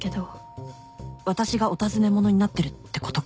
私がお尋ね者になってるってことか？